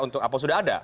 untuk apa sudah ada